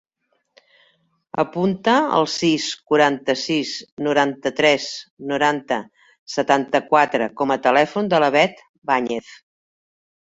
Apunta el sis, quaranta-sis, noranta-tres, noranta, setanta-quatre com a telèfon de la Beth Bañez.